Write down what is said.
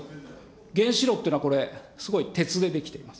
原子炉というのはこれ、すごい鉄で出来ています。